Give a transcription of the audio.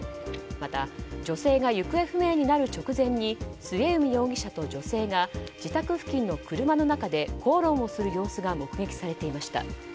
また、女性が行方不明になる直前に末海容疑者と女性が自宅付近の車の中で口論をする様子が目撃されていました。